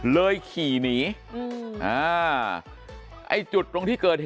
เลยขี่หนี